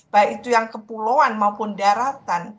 baik itu yang kepulauan maupun daratan